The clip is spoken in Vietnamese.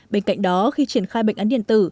bên cạnh đó khi triển khai bệnh án điện tử